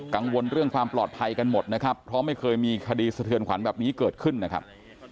กังวลเรื่องความปลอดภัยกันหมดนะครับเพราะไม่เคยมีคดีสะเทือนขวัญแบบนี้เกิดขึ้นนะครับ